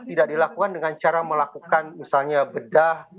tidak dilakukan dengan cara melakukan misalnya bedah